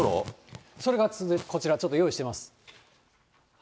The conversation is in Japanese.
それがこちら、ちょっと用意してます。